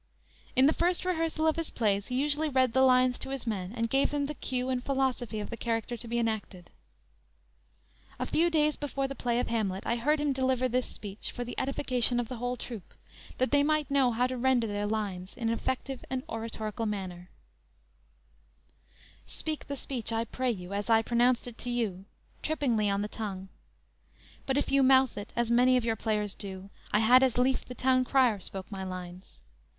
In the first rehearsal of his plays he usually read the lines to his men and gave them the cue and philosophy of the character to be enacted. A few days before the play of Hamlet I heard him deliver this speech for the edification of the whole troupe, that they might know how to render their lines in an effective and oratorical manner: _"Speak the speech, I pray you, as I pronounced It to you, trippingly on the tongue; But if you mouth it, as many of your Players do, I had as lief the town crier, Spoke my lines.